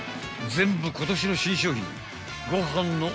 ［全部今年の新商品］